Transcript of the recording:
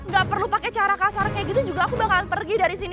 gak perlu pakai cara kasar kayak gitu juga aku bakalan pergi dari sini